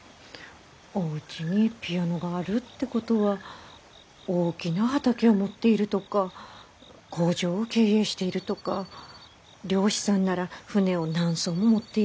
おうちにピアノがあるってことは大きな畑を持っているとか工場を経営しているとか漁師さんなら船を何艘も持っているとか。